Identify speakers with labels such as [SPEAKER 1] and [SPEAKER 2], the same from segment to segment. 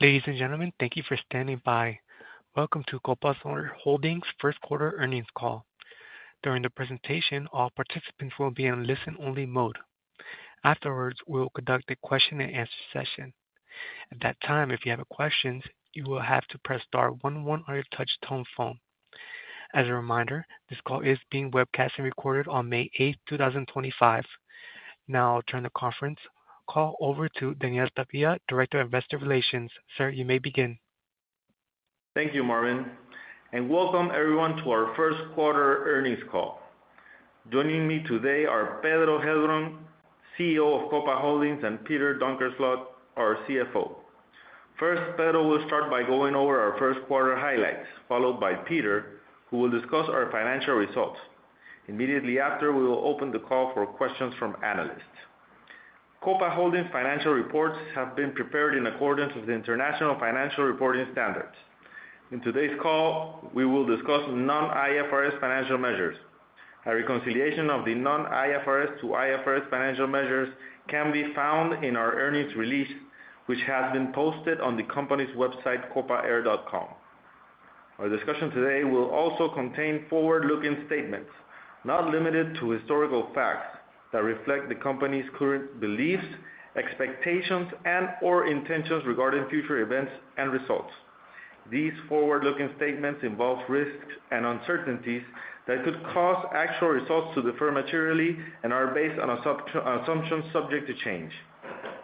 [SPEAKER 1] Ladies and gentlemen, thank you for standing by. Welcome to Copa Holdings' first quarter earnings call. During the presentation, all participants will be in listen-only mode. Afterwards, we will conduct a question-and-answer session. At that time, if you have questions, you will have to press star 11 on your touch-tone phone. As a reminder, this call is being webcast and recorded on May 8th, 2025. Now, I'll turn the conference call over to Daniel Tapia, Director of Investor Relations. Sir, you may begin.
[SPEAKER 2] Thank you, Marvin, and welcome everyone to our first quarter earnings call. Joining me today are Pedro Heilbron, CEO of Copa Holdings, and Peter Donkersloot, our CFO. First, Pedro will start by going over our first quarter highlights, followed by Peter, who will discuss our financial results. Immediately after, we will open the call for questions from analysts. Copa Holdings financial reports have been prepared in accordance with International Financial Reporting Standards. In today's call, we will discuss non-IFRS financial measures. A reconciliation of the non-IFRS to IFRS financial measures can be found in our earnings release, which has been posted on the company's website, copaair.com. Our discussion today will also contain forward-looking statements, not limited to historical facts, that reflect the company's current beliefs, expectations, and/or intentions regarding future events and results. These forward-looking statements involve risks and uncertainties that could cause actual results to differ materially and are based on assumptions subject to change.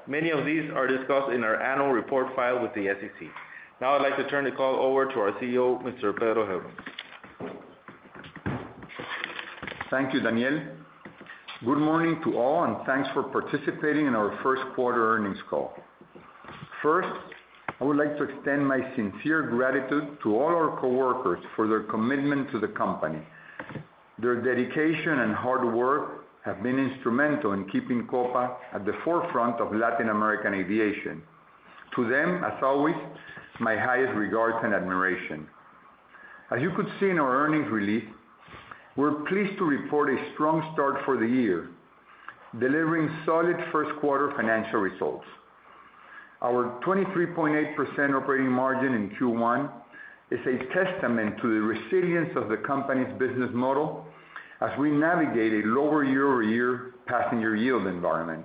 [SPEAKER 2] Many of these are discussed in our annual report filed with the SEC. Now, I'd like to turn the call over to our CEO, Mr. Pedro Heilbron.
[SPEAKER 3] Thank you, Daniel. Good morning to all, and thanks for participating in our first quarter earnings call. First, I would like to extend my sincere gratitude to all our coworkers for their commitment to the company. Their dedication and hard work have been instrumental in keeping Copa at the forefront of Latin American aviation. To them, as always, my highest regards and admiration. As you could see in our earnings release, we're pleased to report a strong start for the year, delivering solid first quarter financial results. Our 23.8% operating margin in Q1 is a testament to the resilience of the company's business model as we navigate a lower year-over-year passenger yield environment.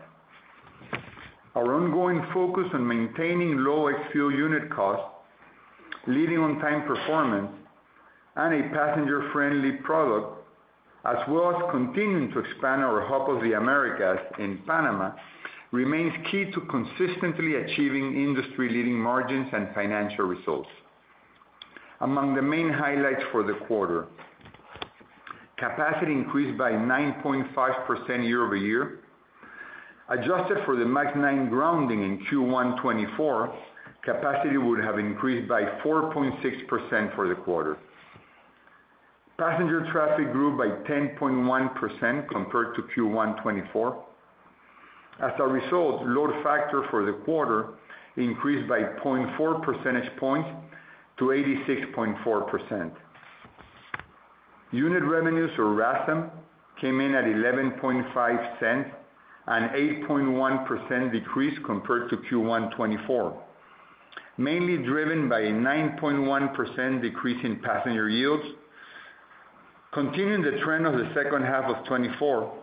[SPEAKER 3] Our ongoing focus on maintaining low ex-fuel unit costs, leading on-time performance, and a passenger-friendly product, as well as continuing to expand our Hub of the Americas in Panama, remains key to consistently achieving industry-leading margins and financial results. Among the main highlights for the quarter: capacity increased by 9.5% year-over-year. Adjusted for the MAX 9 grounding in Q1 2024, capacity would have increased by 4.6% for the quarter. Passenger traffic grew by 10.1% compared to Q1 2024. As a result, load factor for the quarter increased by 0.4 percentage points to 86.4%. Unit revenues, or RASM, came in at 11.5 cents, an 8.1% decrease compared to Q1 2024, mainly driven by a 9.1% decrease in passenger yields. Continuing the trend of the second half of 2024,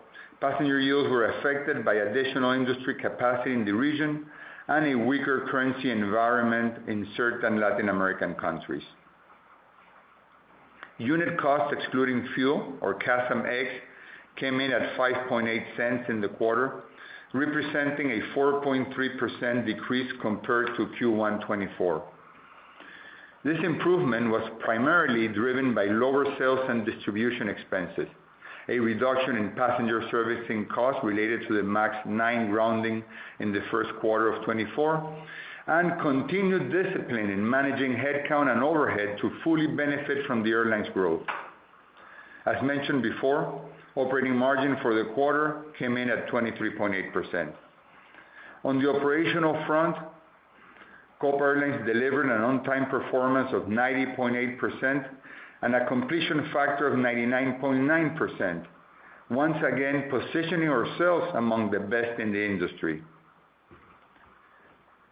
[SPEAKER 3] passenger yields were affected by additional industry capacity in the region and a weaker currency environment in certain Latin American countries. Unit costs, excluding fuel, or CASMx, came in at 5.8 cents in the quarter, representing a 4.3% decrease compared to Q1 2024. This improvement was primarily driven by lower sales and distribution expenses, a reduction in passenger servicing costs related to the MAX 9 grounding in the first quarter of 2024, and continued discipline in managing headcount and overhead to fully benefit from the airline's growth. As mentioned before, operating margin for the quarter came in at 23.8%. On the operational front, Copa Airlines delivered an on-time performance of 90.8% and a completion factor of 99.9%, once again positioning ourselves among the best in the industry.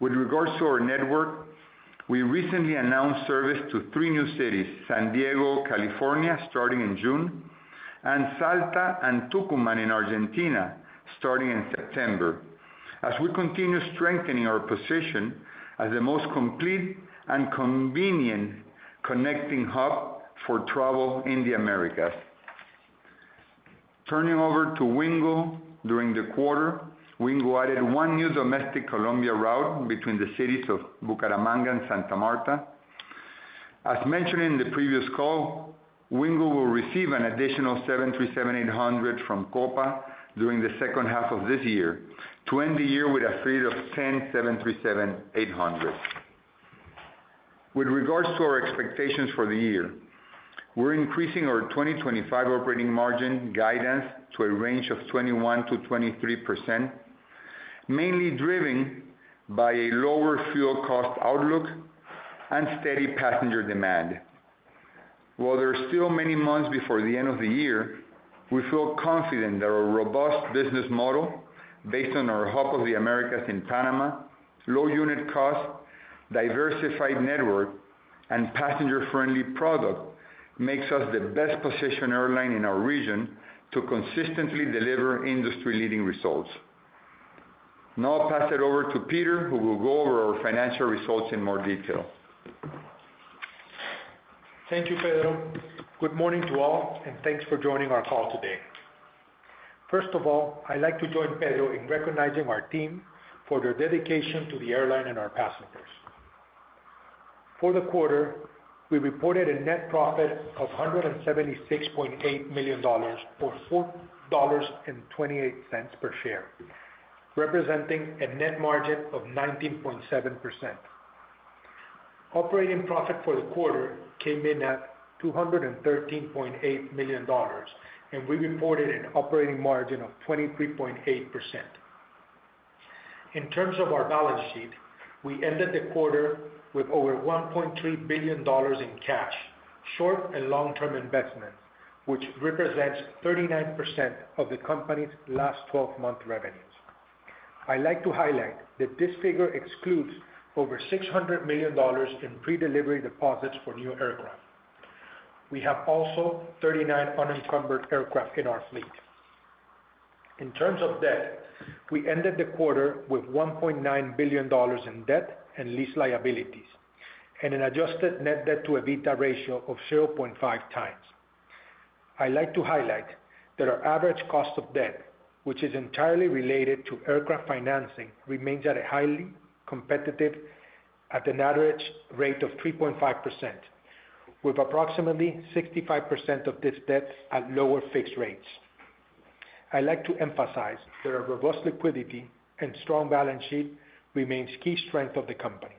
[SPEAKER 3] With regards to our network, we recently announced service to three new cities: San Diego, California, starting in June, and Salta and Tucumán in Argentina, starting in September, as we continue strengthening our position as the most complete and convenient connecting hub for travel in the Americas. Turning over to Wingo during the quarter, Wingo added one new domestic Colombia route between the cities of Bucaramanga and Santa Marta. As mentioned in the previous call, Wingo will receive an additional 737-800 from Copa during the second half of this year, to end the year with a fleet of 10 737-800. With regards to our expectations for the year, we're increasing our 2025 operating margin guidance to a range of 21-23%, mainly driven by a lower fuel cost outlook and steady passenger demand. While there are still many months before the end of the year, we feel confident that our robust business model, based on our Hub of the Americas in Panama, low unit costs, diversified network, and passenger-friendly product, makes us the best positioned airline in our region to consistently deliver industry-leading results. Now, I'll pass it over to Peter, who will go over our financial results in more detail.
[SPEAKER 4] Thank you, Pedro. Good morning to all, and thanks for joining our call today. First of all, I'd like to join Pedro in recognizing our team for their dedication to the airline and our passengers. For the quarter, we reported a net profit of $176.8 million, or $4.28 per share, representing a net margin of 19.7%. Operating profit for the quarter came in at $213.8 million, and we reported an operating margin of 23.8%. In terms of our balance sheet, we ended the quarter with over $1.3 billion in cash, short and long-term investments, which represents 39% of the company's last 12-month revenues. I'd like to highlight that this figure excludes over $600 million in pre-delivery deposits for new aircraft. We have also 39 unencumbered aircraft in our fleet. In terms of debt, we ended the quarter with $1.9 billion in debt and lease liabilities, and an adjusted net debt-to-EBITDA ratio of 0.5 times. I'd like to highlight that our average cost of debt, which is entirely related to aircraft financing, remains at a highly competitive at an average rate of 3.5%, with approximately 65% of this debt at lower fixed rates. I'd like to emphasize that our robust liquidity and strong balance sheet remain key strengths of the company.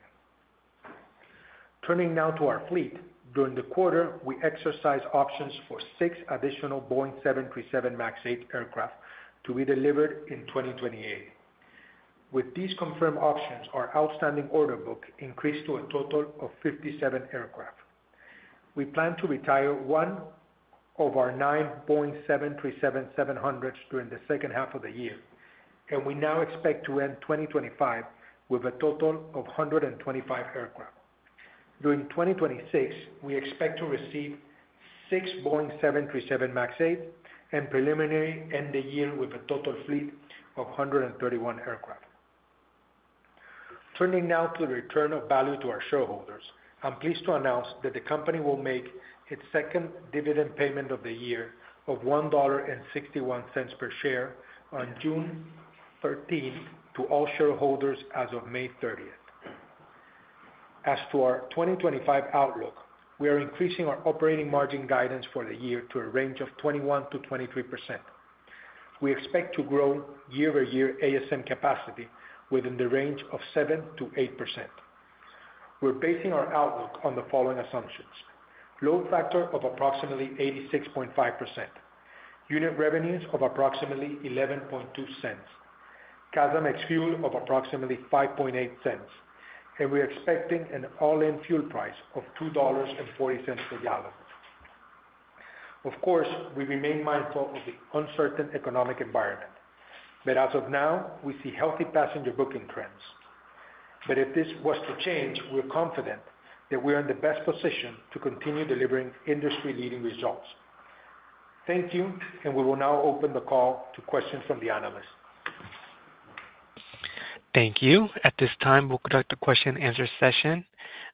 [SPEAKER 4] Turning now to our fleet, during the quarter, we exercised options for six additional Boeing 737 MAX 8 aircraft to be delivered in 2028. With these confirmed options, our outstanding order book increased to a total of 57 aircraft. We plan to retire one of our nine Boeing 737-700s during the second half of the year, and we now expect to end 2025 with a total of 125 aircraft. During 2026, we expect to receive six Boeing 737 MAX 8 and preliminary end-of-year with a total fleet of 131 aircraft. Turning now to the return of value to our shareholders, I'm pleased to announce that the company will make its second dividend payment of the year of $1.61 per share on June 13th to all shareholders as of May 30th. As to our 2025 outlook, we are increasing our operating margin guidance for the year to a range of 21-23%. We expect to grow year-over-year ASM capacity within the range of 7-8%. We're basing our outlook on the following assumptions: load factor of approximately 86.5%, unit revenues of approximately $0.112, CASMx fuel of approximately $0.058, and we're expecting an all-in fuel price of $2.40 per gallon. Of course, we remain mindful of the uncertain economic environment, but as of now, we see healthy passenger booking trends. If this was to change, we're confident that we are in the best position to continue delivering industry-leading results. Thank you, and we will now open the call to questions from the analysts.
[SPEAKER 1] Thank you. At this time, we'll conduct a question-and-answer session.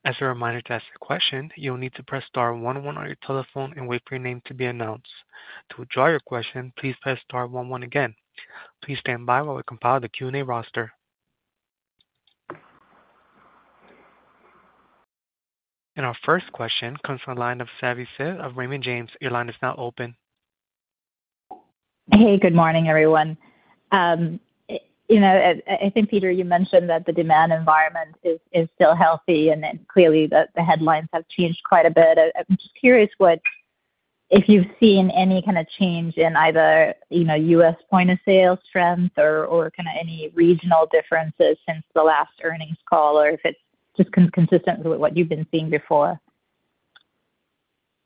[SPEAKER 1] As a reminder, to ask a question, you'll need to press star 11 on your telephone and wait for your name to be announced. To withdraw your question, please press star 11 again. Please stand by while we compile the Q&A roster. Our first question comes from the line of Savi Syth of Raymond James. Your line is now open.
[SPEAKER 5] Hey, good morning, everyone. I think, Peter, you mentioned that the demand environment is still healthy, and clearly the headlines have changed quite a bit. I'm just curious if you've seen any kind of change in either U.S. point-of-sale strength or kind of any regional differences since the last earnings call, or if it's just consistent with what you've been seeing before.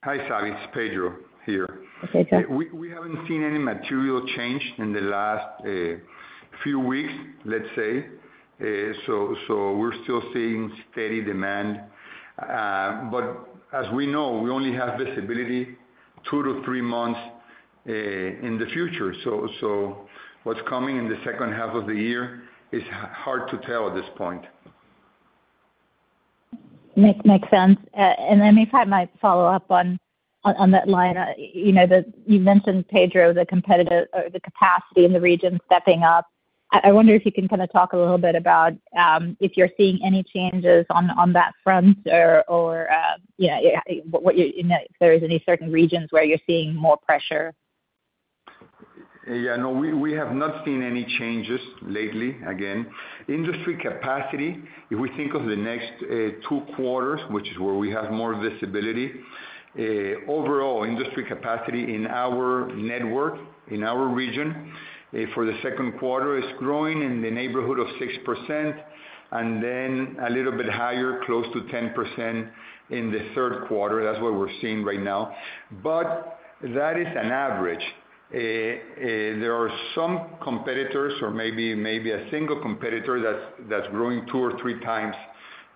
[SPEAKER 3] Hi, Savi. It's Pedro here. We haven't seen any material change in the last few weeks, let's say. We're still seeing steady demand. As we know, we only have visibility two to three months in the future. What's coming in the second half of the year is hard to tell at this point.
[SPEAKER 5] Makes sense. Let me try my follow-up on that line. You mentioned, Pedro, the capacity in the region stepping up. I wonder if you can kind of talk a little bit about if you're seeing any changes on that front or if there are any certain regions where you're seeing more pressure.
[SPEAKER 3] Yeah, no, we have not seen any changes lately, again. Industry capacity, if we think of the next two quarters, which is where we have more visibility, overall industry capacity in our network, in our region, for the second quarter is growing in the neighborhood of 6%, and then a little bit higher, close to 10% in the third quarter. That is what we are seeing right now. That is an average. There are some competitors, or maybe a single competitor, that is growing two or three times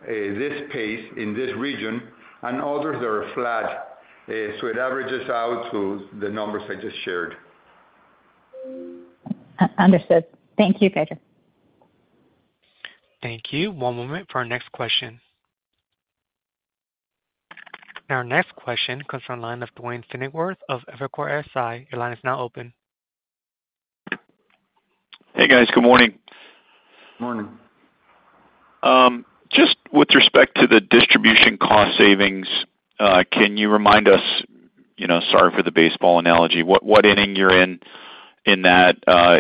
[SPEAKER 3] this pace in this region, and others that are flat. It averages out to the numbers I just shared.
[SPEAKER 5] Understood. Thank you, Pedro.
[SPEAKER 1] Thank you. One moment for our next question. Our next question comes from the line of Duane Pfennigwerth of Evercore ISI. Your line is now open.
[SPEAKER 6] Hey, guys. Good morning.
[SPEAKER 3] Good morning.
[SPEAKER 6] Just with respect to the distribution cost savings, can you remind us—sorry for the baseball analogy—what inning you're in in that?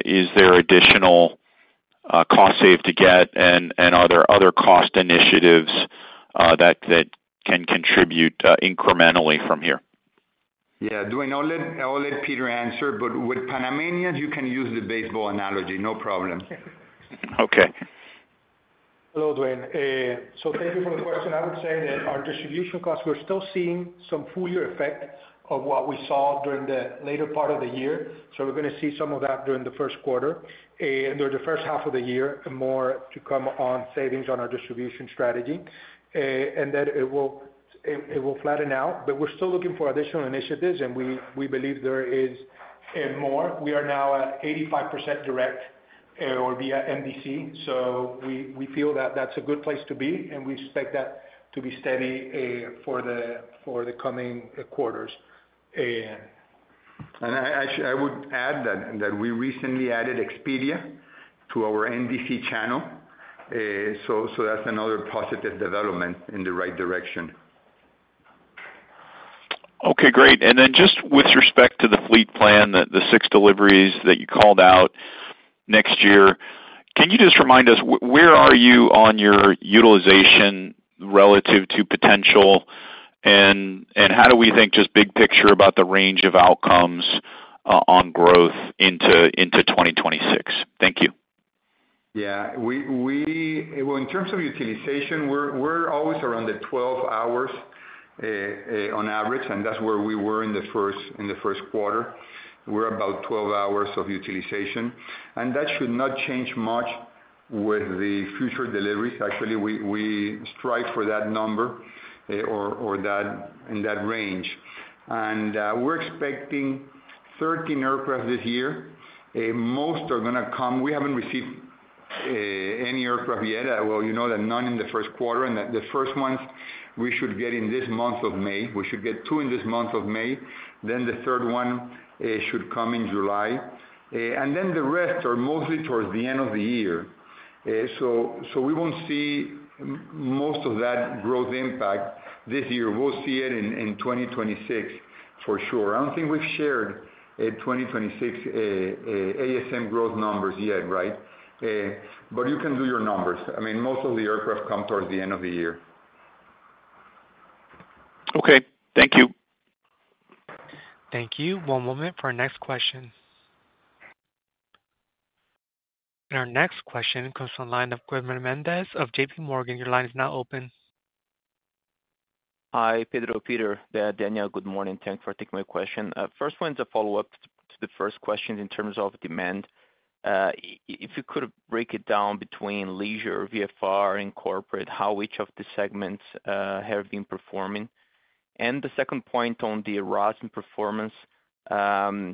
[SPEAKER 6] Is there additional cost saved to get, and are there other cost initiatives that can contribute incrementally from here?
[SPEAKER 3] Yeah, Duane, I'll let Peter answer, but with Panama, you can use the baseball analogy. No problem.
[SPEAKER 6] Okay.
[SPEAKER 4] Hello, Duane. Thank you for the question. I would say that our distribution costs, we're still seeing some fuller effect of what we saw during the later part of the year. We're going to see some of that during the first quarter, and during the first half of the year, more to come on savings on our distribution strategy. It will flatten out, but we're still looking for additional initiatives, and we believe there is more. We are now at 85% direct, or via NDC. We feel that that's a good place to be, and we expect that to be steady for the coming quarters.
[SPEAKER 3] I would add that we recently added Expedia to our NDC channel. That is another positive development in the right direction.
[SPEAKER 6] Okay, great. Just with respect to the fleet plan, the six deliveries that you called out next year, can you just remind us where are you on your utilization relative to potential, and how do we think just big picture about the range of outcomes on growth into 2026? Thank you.
[SPEAKER 3] Yeah. In terms of utilization, we're always around the 12 hours on average, and that's where we were in the first quarter. We're about 12 hours of utilization. That should not change much with the future deliveries. Actually, we strive for that number or in that range. We're expecting 13 aircraft this year. Most are going to come—we haven't received any aircraft yet. You know that none in the first quarter. The first ones we should get in this month of May. We should get two in this month of May. The third one should come in July. The rest are mostly towards the end of the year. We won't see most of that growth impact this year. We'll see it in 2026 for sure. I don't think we've shared 2026 ASM growth numbers yet, right? You can do your numbers. I mean, most of the aircraft come towards the end of the year.
[SPEAKER 6] Okay. Thank you.
[SPEAKER 1] Thank you. One moment for our next question. Our next question comes from the line of Guilherme Mendes of JPMorgan. Your line is now open.
[SPEAKER 7] Hi, Pedro. Peter, Daniel, good morning. Thanks for taking my question. First one is a follow-up to the first question in terms of demand. If you could break it down between leisure, VFR, and corporate, how each of the segments have been performing. The second point on the RASM performance,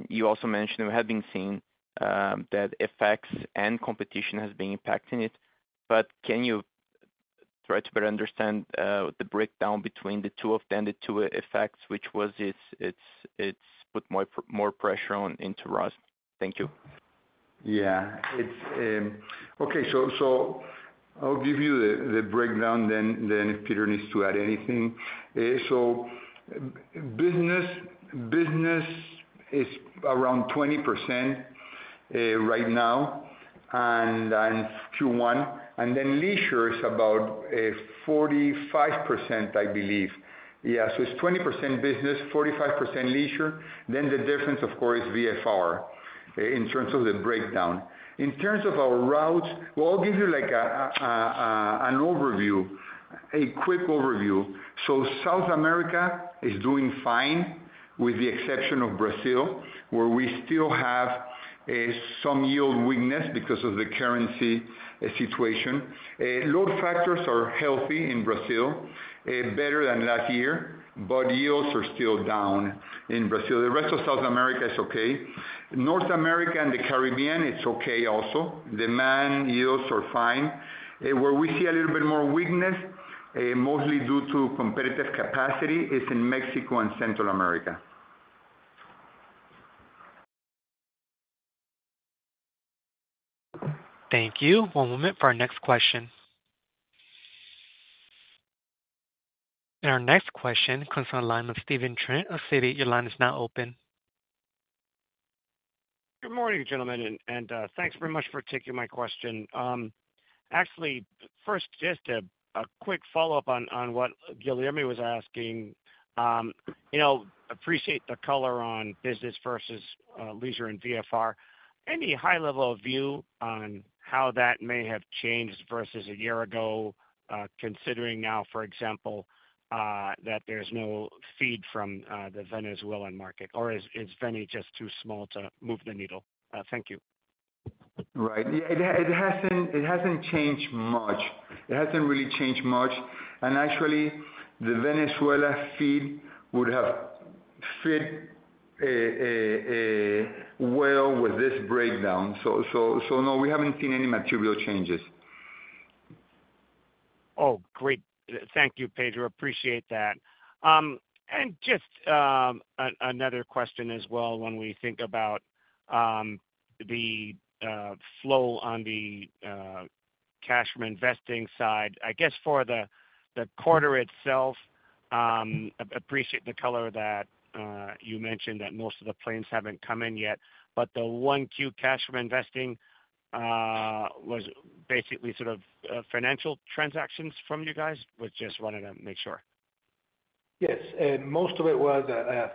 [SPEAKER 7] you also mentioned we have been seeing that FX and competition has been impacting it. Can you try to better understand the breakdown between the two of them and the two effects, which has put more pressure on RASM? Thank you.
[SPEAKER 3] Yeah. Okay. I'll give you the breakdown then if Peter needs to add anything. Business is around 20% right now in Q1. Leisure is about 45%, I believe. Yeah. It's 20% business, 45% leisure. The difference, of course, is VFR in terms of the breakdown. In terms of our routes, I'll give you an overview, a quick overview. South America is doing fine with the exception of Brazil, where we still have some yield weakness because of the currency situation. Load factors are healthy in Brazil, better than last year, but yields are still down in Brazil. The rest of South America is okay. North America and the Caribbean, it's okay also. Demand yields are fine. Where we see a little bit more weakness, mostly due to competitive capacity, is in Mexico and Central America.
[SPEAKER 1] Thank you. One moment for our next question. Our next question comes from the line of Stephen Trent of Citi. Your line is now open.
[SPEAKER 8] Good morning, gentlemen. Thanks very much for taking my question. Actually, first, just a quick follow-up on what Guilherme was asking. Appreciate the color on business versus leisure and VFR. Any high-level view on how that may have changed versus a year ago, considering now, for example, that there is no feed from the Venezuelan market? Or is Venezuela just too small to move the needle? Thank you.
[SPEAKER 3] Right. It hasn't changed much. It hasn't really changed much. Actually, the Venezuela feed would have fit well with this breakdown. No, we haven't seen any material changes.
[SPEAKER 8] Oh, great. Thank you, Pedro. Appreciate that. Just another question as well when we think about the flow on the cash from investing side. I guess for the quarter itself, appreciate the color that you mentioned that most of the planes have not come in yet. The Q1 cash from investing was basically sort of financial transactions from you guys? Just wanted to make sure.
[SPEAKER 4] Yes. Most of it was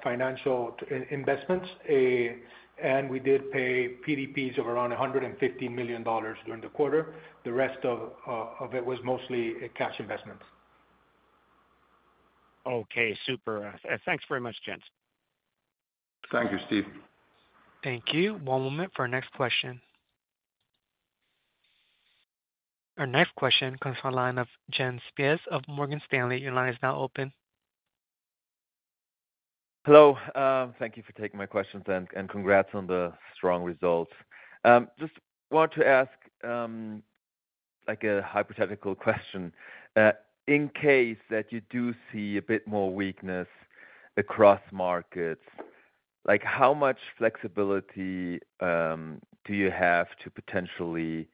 [SPEAKER 4] financial investments. We did pay PDPs of around $150 million during the quarter. The rest of it was mostly cash investments.
[SPEAKER 8] Okay. Super. Thanks very much, gents.
[SPEAKER 3] Thank you, Steve.
[SPEAKER 1] Thank you. One moment for our next question. Our next question comes from the line of Jens Spiess of Morgan Stanley. Your line is now open.
[SPEAKER 9] Hello. Thank you for taking my questions and congrats on the strong results. Just want to ask a hypothetical question. In case that you do see a bit more weakness across markets, how much flexibility do you have to potentially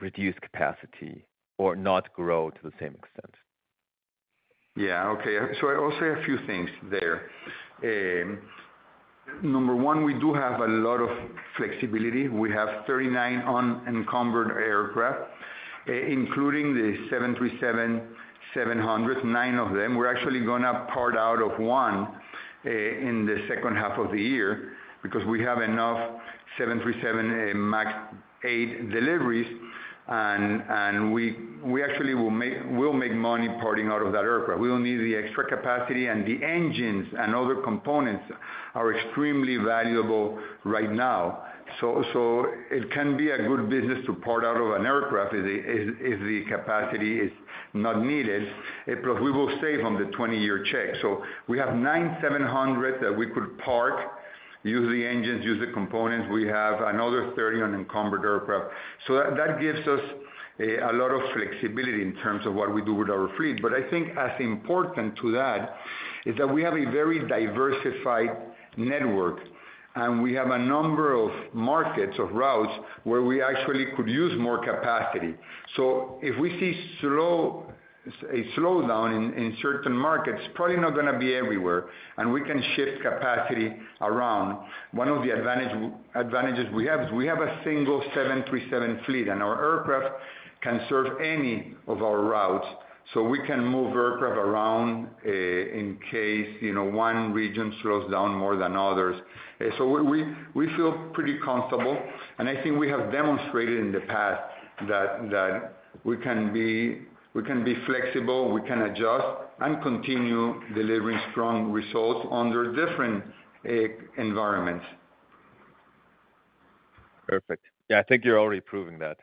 [SPEAKER 9] reduce capacity or not grow to the same extent?
[SPEAKER 3] Yeah. Okay. So I'll say a few things there. Number one, we do have a lot of flexibility. We have 39 unencumbered aircraft, including the 737-700, nine of them. We're actually going to part out one in the second half of the year because we have enough 737 MAX eight deliveries. And we actually will make money parting out of that aircraft. We will need the extra capacity, and the engines and other components are extremely valuable right now. It can be a good business to part out of an aircraft if the capacity is not needed. We will save on the 20-year check. We have nine 700 that we could park, use the engines, use the components. We have another 30 unencumbered aircraft. That gives us a lot of flexibility in terms of what we do with our fleet. I think as important to that is that we have a very diversified network, and we have a number of markets of routes where we actually could use more capacity. If we see a slowdown in certain markets, it is probably not going to be everywhere. We can shift capacity around. One of the advantages we have is we have a single 737 fleet, and our aircraft can serve any of our routes. We can move aircraft around in case one region slows down more than others. We feel pretty comfortable. I think we have demonstrated in the past that we can be flexible, we can adjust, and continue delivering strong results under different environments.
[SPEAKER 9] Perfect. Yeah, I think you're already proving that.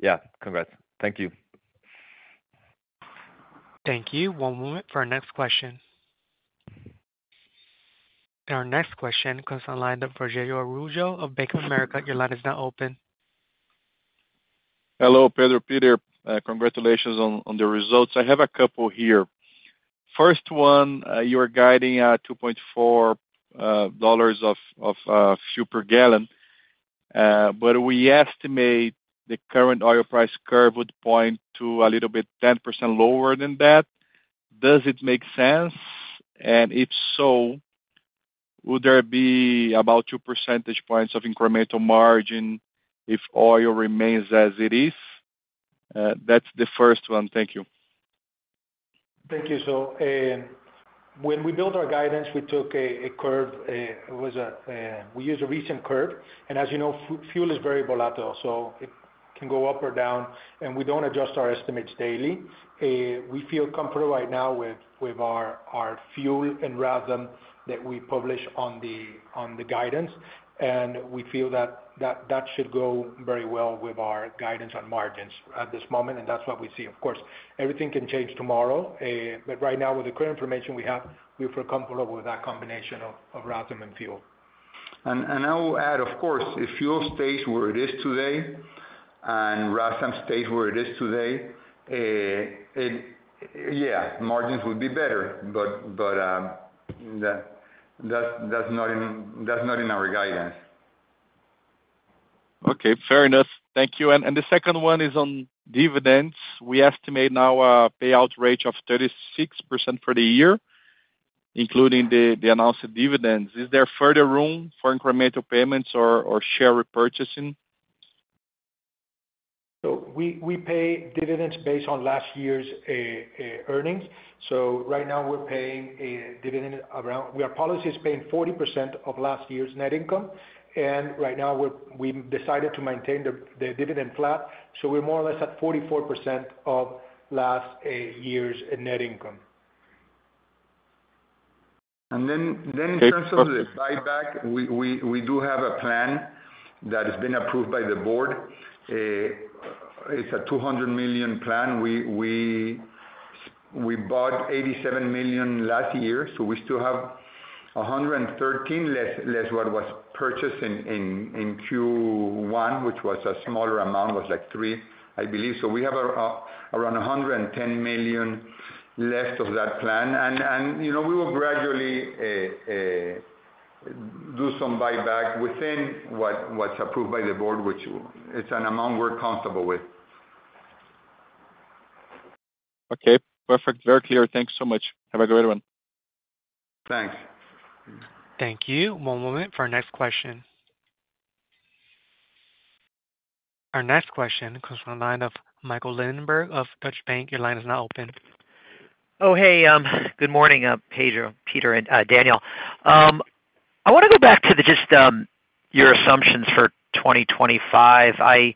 [SPEAKER 9] Yeah, congrats. Thank you.
[SPEAKER 1] Thank you. One moment for our next question. Our next question comes from the line of Rogerio Araujo of Bank of America. Your line is now open.
[SPEAKER 10] Hello, Pedro. Peter, congratulations on the results. I have a couple here. First one, you're guiding at $2.4 of fuel per gallon. We estimate the current oil price curve would point to a little bit 10% lower than that. Does it make sense? If so, would there be about two percentage points of incremental margin if oil remains as it is? That's the first one. Thank you.
[SPEAKER 4] Thank you. When we built our guidance, we took a curve. It was a we used a recent curve. As you know, fuel is very volatile. It can go up or down. We do not adjust our estimates daily. We feel comfortable right now with our fuel and RASM that we publish on the guidance. We feel that that should go very well with our guidance on margins at this moment. That is what we see. Of course, everything can change tomorrow. Right now, with the current information we have, we feel comfortable with that combination of RASM and fuel.
[SPEAKER 3] I will add, of course, if fuel stays where it is today and RASM stays where it is today, yeah, margins would be better. That is not in our guidance.
[SPEAKER 10] Okay. Fair enough. Thank you. The second one is on dividends. We estimate now a payout rate of 36% for the year, including the announced dividends. Is there further room for incremental payments or share repurchasing?
[SPEAKER 4] We pay dividends based on last year's earnings. Right now, we're paying dividends around our policy is paying 40% of last year's net income. Right now, we've decided to maintain the dividend flat. We're more or less at 44% of last year's net income.
[SPEAKER 3] In terms of the buyback, we do have a plan that has been approved by the board. It is a $200 million plan. We bought $87 million last year. We still have $113 million less what was purchased in Q1, which was a smaller amount, was like $3 million, I believe. We have around $110 million left of that plan. We will gradually do some buyback within what is approved by the board, which is an amount we are comfortable with.
[SPEAKER 10] Okay. Perfect. Very clear. Thank you so much. Have a great one.
[SPEAKER 3] Thanks.
[SPEAKER 1] Thank you. One moment for our next question. Our next question comes from the line of Michael Linenberg of Deutsche Bank. Your line is now open.
[SPEAKER 11] Oh, hey. Good morning, Pedro, Peter, and Daniel. I want to go back to just your assumptions for 2025. I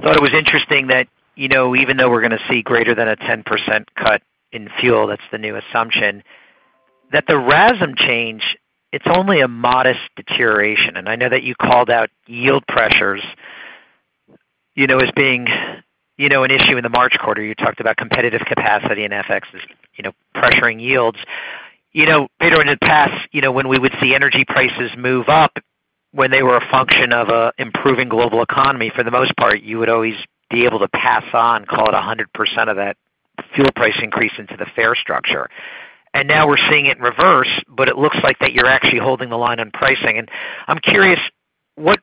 [SPEAKER 11] thought it was interesting that even though we're going to see greater than a 10% cut in fuel, that's the new assumption, that the RASM change, it's only a modest deterioration. And I know that you called out yield pressures as being an issue in the March quarter. You talked about competitive capacity and FX is pressuring yields. You know, Pedro, in the past, when we would see energy prices move up, when they were a function of an improving global economy, for the most part, you would always be able to pass on, call it 100% of that fuel price increase into the fare structure. And now we're seeing it reverse, but it looks like that you're actually holding the line on pricing. I'm curious, what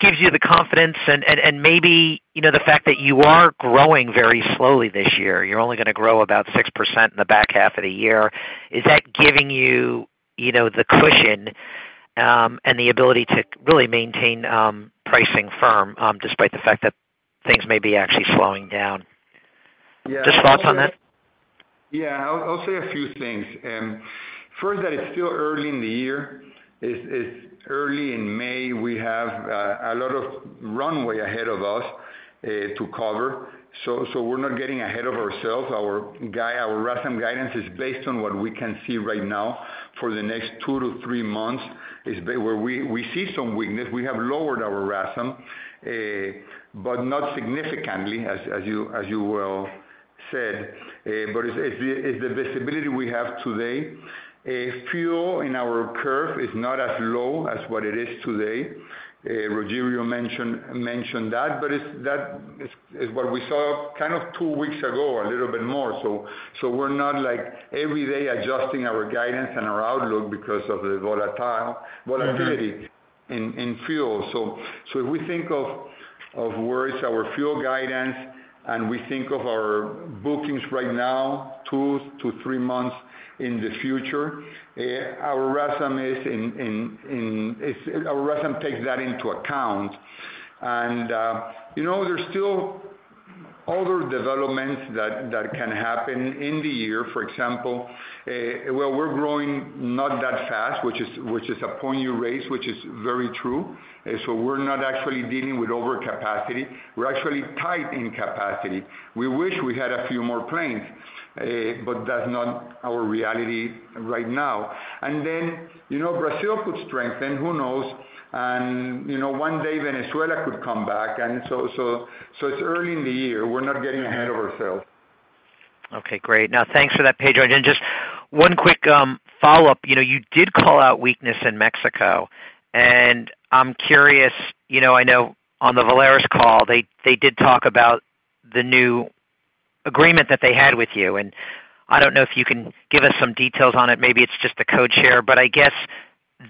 [SPEAKER 11] gives you the confidence and maybe the fact that you are growing very slowly this year? You're only going to grow about 6% in the back half of the year. Is that giving you the cushion and the ability to really maintain pricing firm despite the fact that things may be actually slowing down? Just thoughts on that?
[SPEAKER 3] Yeah. I'll say a few things. First, that it's still early in the year. Early in May, we have a lot of runway ahead of us to cover. So we're not getting ahead of ourselves. Our RASM guidance is based on what we can see right now for the next two to three months, where we see some weakness. We have lowered our RASM, but not significantly, as you well said. But it's the visibility we have today. Fuel in our curve is not as low as what it is today. Rogelio mentioned that. But that is what we saw kind of two weeks ago, a little bit more. So we're not like every day adjusting our guidance and our outlook because of the volatility in fuel. If we think of where it's our fuel guidance and we think of our bookings right now, two to three months in the future, our RASM takes that into account. There are still other developments that can happen in the year. For example, we're growing not that fast, which is a point you raised, which is very true. We're not actually dealing with overcapacity. We're actually tight in capacity. We wish we had a few more planes, but that's not our reality right now. Brazil could strengthen, who knows? One day, Venezuela could come back. It's early in the year. We're not getting ahead of ourselves.
[SPEAKER 11] Okay. Great. Now, thanks for that, Pedro. And just one quick follow-up. You did call out weakness in Mexico. I'm curious, I know on the Volaris call, they did talk about the new agreement that they had with you. I don't know if you can give us some details on it. Maybe it's just the codeshare. I guess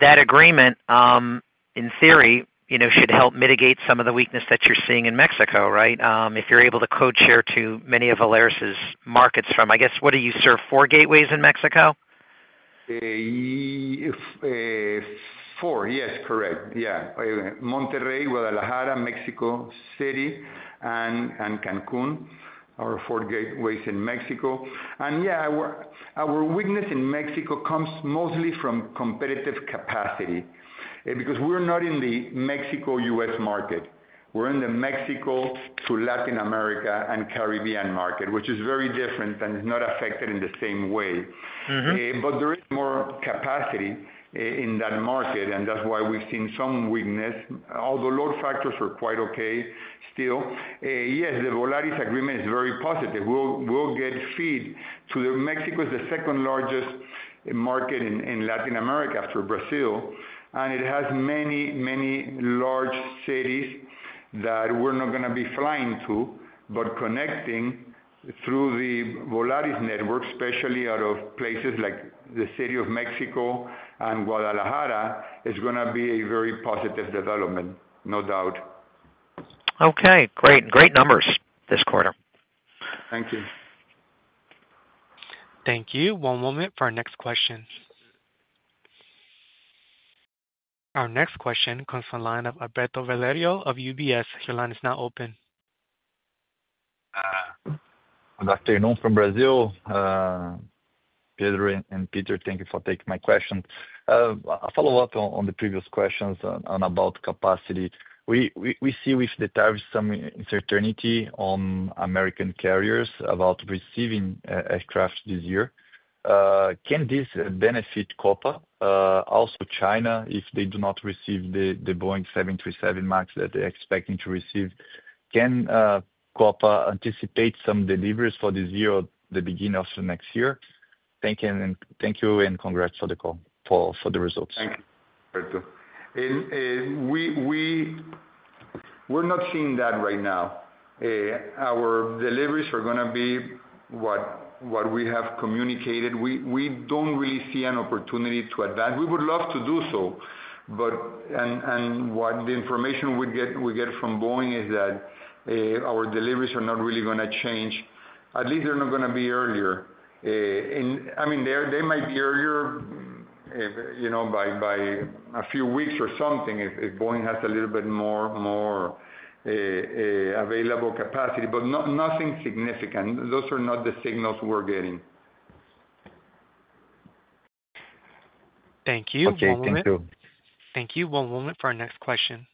[SPEAKER 11] that agreement, in theory, should help mitigate some of the weakness that you're seeing in Mexico, right? If you're able to codeshare to many of Volaris's markets from, I guess, what do you serve? Four gateways in Mexico?
[SPEAKER 3] Four. Yes, correct. Yeah. Monterrey, Guadalajara, Mexico City, and Cancun, our four gateways in Mexico. Yeah, our weakness in Mexico comes mostly from competitive capacity because we're not in the Mexico-U.S. market. We're in the Mexico to Latin America and Caribbean market, which is very different and is not affected in the same way. There is more capacity in that market, and that's why we've seen some weakness. Although load factors are quite okay still. Yes, the Volaris agreement is very positive. We'll get feed to the Mexico is the second largest market in Latin America after Brazil. It has many, many large cities that we're not going to be flying to, but connecting through the Volaris network, especially out of places like the city of Mexico and Guadalajara, is going to be a very positive development, no doubt.
[SPEAKER 11] Okay. Great. Great numbers this quarter.
[SPEAKER 3] Thank you.
[SPEAKER 1] Thank you. One moment for our next question. Our next question comes from the line of Alberto Valerio of UBS. Your line is now open.
[SPEAKER 12] Good afternoon from Brazil. Pedro and Peter, thank you for taking my question. A follow-up on the previous questions about capacity. We see with the tariffs some uncertainty on American carriers about receiving aircraft this year. Can this benefit Copa? Also, China, if they do not receive the Boeing 737 MAX that they're expecting to receive, can Copa anticipate some deliveries for this year or the beginning of next year? Thank you and congrats for the call for the results.
[SPEAKER 3] Thank you. We're not seeing that right now. Our deliveries are going to be what we have communicated. We don't really see an opportunity to advance. We would love to do so. What the information we get from Boeing is that our deliveries are not really going to change. At least they're not going to be earlier. I mean, they might be earlier by a few weeks or something if Boeing has a little bit more available capacity, but nothing significant. Those are not the signals we're getting.
[SPEAKER 12] Thank you.
[SPEAKER 3] Okay. Thank you.
[SPEAKER 1] Thank you. One moment for our next question.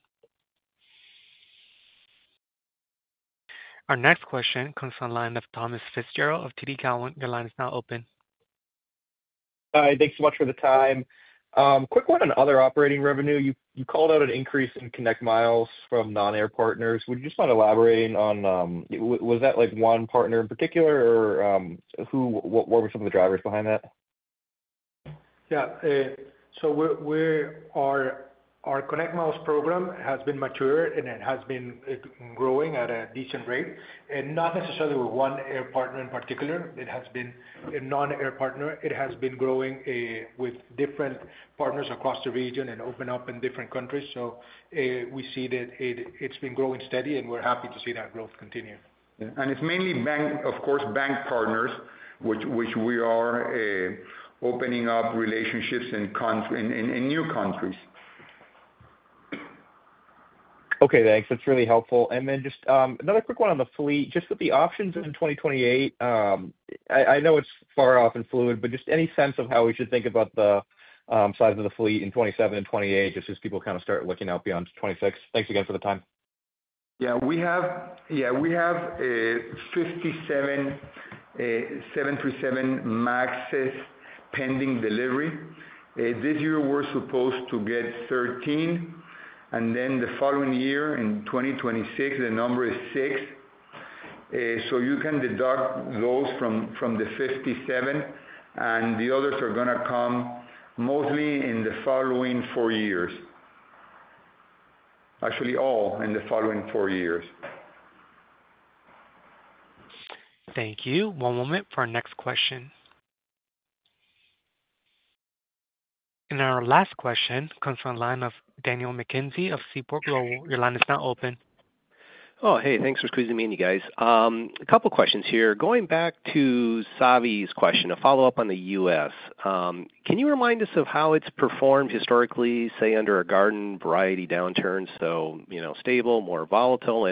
[SPEAKER 1] Our next question comes from the line of Thomas Fitzgerald of TD Cowen. Your line is now open.
[SPEAKER 13] Hi. Thanks so much for the time. Quick one on other operating revenue. You called out an increase in ConnectMiles from non-air partners. Would you just mind elaborating on was that one partner in particular, or what were some of the drivers behind that?
[SPEAKER 4] Yeah. Our ConnectMiles program has been mature, and it has been growing at a decent rate. Not necessarily with one air partner in particular. It has been a non-air partner. It has been growing with different partners across the region and opened up in different countries. We see that it has been growing steady, and we are happy to see that growth continue.
[SPEAKER 3] It is mainly, of course, bank partners, which we are opening up relationships in new countries.
[SPEAKER 13] Okay. Thanks. That's really helpful. Just another quick one on the fleet. Just with the options in 2028, I know it's far off and fluid, but just any sense of how we should think about the size of the fleet in 2027 and 2028, just as people kind of start looking out beyond 2026? Thanks again for the time.
[SPEAKER 3] Yeah. We have 57 737 MAXs pending delivery. This year, we're supposed to get 13. In 2026, the number is six. You can deduct those from the 57. The others are going to come mostly in the following four years. Actually, all in the following four years.
[SPEAKER 1] Thank you. One moment for our next question. Our last question comes from the line of Daniel McKenzie of Seaport Global. Your line is now open.
[SPEAKER 14] Oh, hey. Thanks for squeezing me in, you guys. A couple of questions here. Going back to Savi's question, a follow-up on the U.S. Can you remind us of how it's performed historically, say, under a garden variety downturn? Stable, more volatile.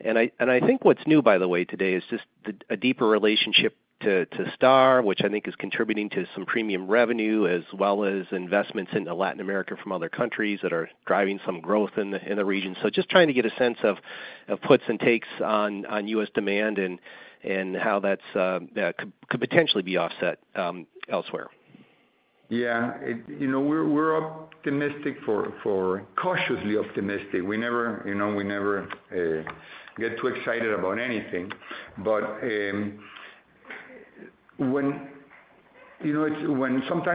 [SPEAKER 14] I think what's new, by the way, today is just a deeper relationship to Star, which I think is contributing to some premium revenue as well as investments in Latin America from other countries that are driving some growth in the region. Just trying to get a sense of puts and takes on U.S. demand and how that could potentially be offset elsewhere.
[SPEAKER 3] Yeah. We're optimistic or cautiously optimistic. We never get too excited about anything. Sometimes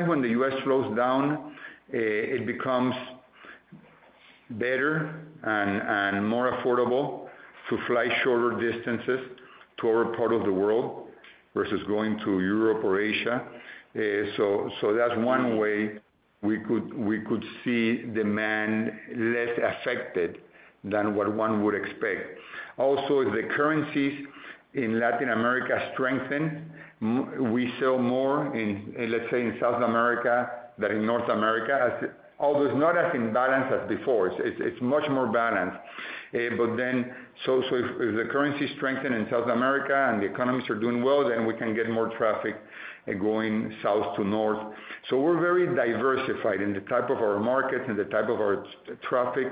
[SPEAKER 3] when the U.S. slows down, it becomes better and more affordable to fly shorter distances to our part of the world versus going to Europe or Asia. That is one way we could see demand less affected than what one would expect. Also, if the currencies in Latin America strengthen, we sell more, let's say, in South America than in North America. Although it's not as imbalanced as before. It's much more balanced. If the currency strengthens in South America and the economies are doing well, then we can get more traffic going south to north. We're very diversified in the type of our markets and the type of our traffic,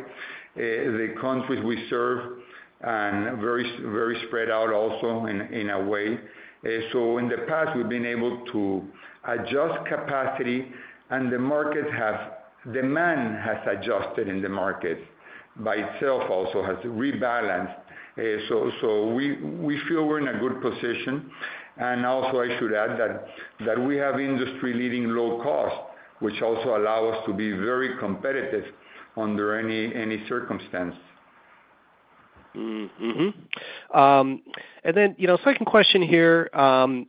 [SPEAKER 3] the countries we serve, and very spread out also in a way. In the past, we've been able to adjust capacity, and the market has demand has adjusted in the markets by itself, also has rebalanced. We feel we're in a good position. I should add that we have industry-leading low costs, which also allow us to be very competitive under any circumstance.
[SPEAKER 14] Then second question here, and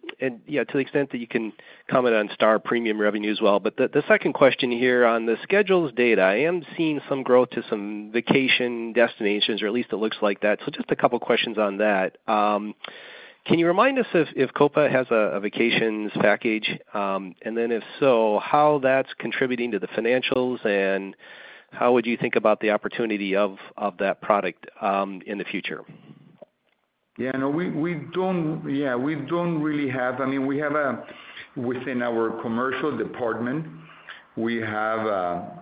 [SPEAKER 14] to the extent that you can comment on Star premium revenue as well. The second question here on the schedules data, I am seeing some growth to some vacation destinations, or at least it looks like that. Just a couple of questions on that. Can you remind us if Copa has a vacations package? If so, how that's contributing to the financials, and how would you think about the opportunity of that product in the future?
[SPEAKER 3] Yeah. No, we do not really have. I mean, within our commercial department, we have a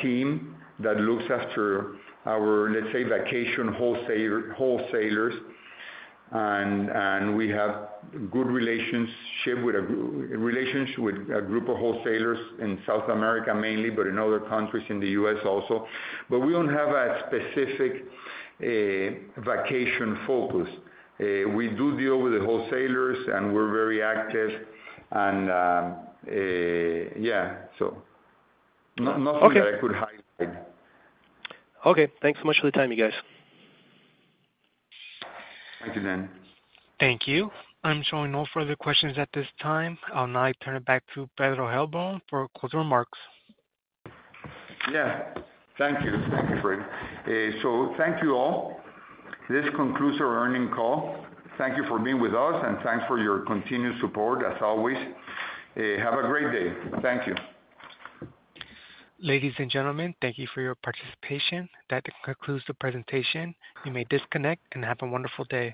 [SPEAKER 3] team that looks after our, let's say, vacation wholesalers. We have good relations with a group of wholesalers in South America mainly, but in other countries in the U.S. also. We do not have a specific vacation focus. We do deal with the wholesalers, and we are very active. Yeah, nothing that I could highlight.
[SPEAKER 14] Okay. Thanks so much for the time, you guys.
[SPEAKER 3] Thank you, Dan.
[SPEAKER 1] Thank you. I'm showing no further questions at this time. I'll now turn it back to Pedro Heilbron for closing remarks.
[SPEAKER 2] Yeah. Thank you. Thank you, Fred. So thank you all. This concludes our earning call. Thank you for being with us, and thanks for your continued support as always. Have a great day. Thank you.
[SPEAKER 1] Ladies and gentlemen, thank you for your participation. That concludes the presentation. You may disconnect and have a wonderful day.